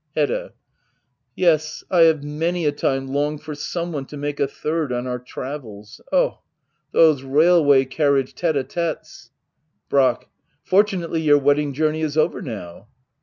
Hbdda. Yes^ I have many a time longed for some one to make a third on our travels. Oh — those railway carriage tHe'd'tStes ! Brack, Fortunately your wedding journey is over now.